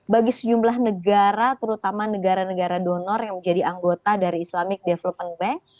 bagi sejumlah negara terutama negara negara donor yang menjadi anggota dari islamic development bank